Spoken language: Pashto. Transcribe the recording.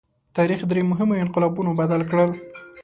تاریخ درې مهمو انقلابونو بدل کړ.